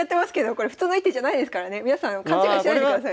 これ普通の一手じゃないですからね皆さん勘違いしないでくださいね。